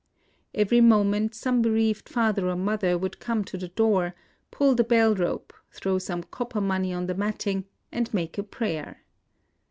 Every moment some be reaved father or mother would come to the door, pull the bell rope, throw some copper money on the matting, and make a prayer.